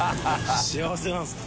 幸せなんですか？